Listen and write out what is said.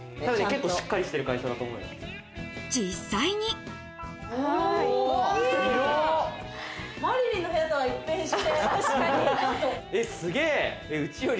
結構しっかりしてる会社だと思うよ。